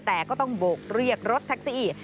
แต่ก็ต้องโบกเรียกรถแท็กซี่